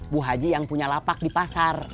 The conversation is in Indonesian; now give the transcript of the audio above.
bu haji yang punya lapak di pasar